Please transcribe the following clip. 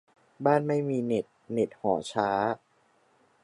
-บ้านไม่มีเน็ต เน็ตหอช้า